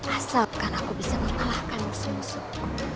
asep akan aku bisa memalahkan musuh musuhku